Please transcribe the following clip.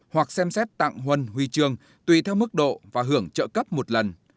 hoặc xem xét tặng huân huy trường tùy theo mức độ và hưởng trợ cấp một lần